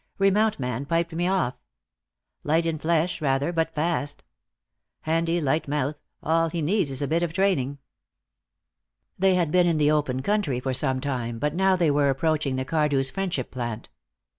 Remount man piped me off. Light in flesh, rather, but fast. Handy, light mouth all he needs is a bit of training." They had been in the open country for some time, but now they were approaching the Cardew's Friendship plant.